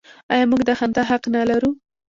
آیا موږ د خندا حق نلرو؟